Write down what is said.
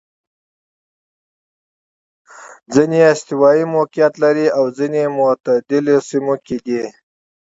ځیني یې استوايي موقعیت لري او ځیني معتدلو سیمو کې دي.